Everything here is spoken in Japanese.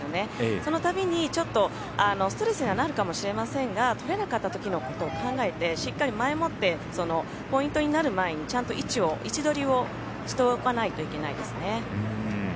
そのたびにちょっとストレスにはなるかもしれませんが取れなかった時のことを考えてしっかり前もってそのポイントになる前にちゃんと位置取りをしとかないといけないですね。